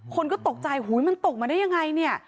คนก็ตกใจมันตกมาได้ยังไงเนี่ย